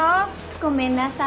ごめんなさい。